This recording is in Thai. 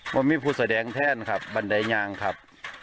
มันไม่มีผู้แสดงแทนครับบันไดยางครับ